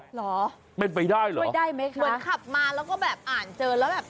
หรอไม่ได้มั้ยคะเหมือนขับมาแล้วก็แบบอ่านเจอแล้วแบบ